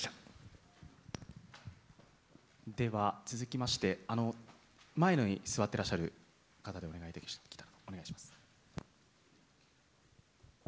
では続きまして、前に座ってらっしゃる方でお願いできたら。